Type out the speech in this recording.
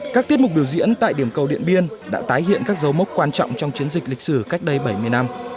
các tiết mục biểu diễn tại điểm cầu điện biên đã tái hiện các dấu mốc quan trọng trong chiến dịch lịch sử cách đây bảy mươi năm